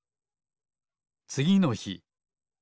つぎのひ。